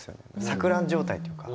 錯乱状態というか。